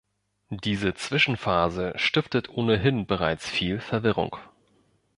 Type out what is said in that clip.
Diese Zwischenphase stiftet ohnehin bereits viel Verwirrung.